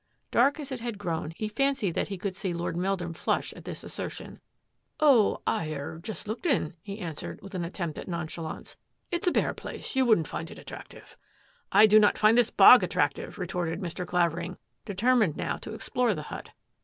Dark as it had grown, he fancied that he could see Lord Meldrum flush at tliis assertion. "Oh, I — er — just looked in," he answered, with an attempt at nonchalance. " It's a bare place ; you wouldn't find it attractive." " I do not find this bog attractive," retorted Mr, Clavering, determined now to explore the hut.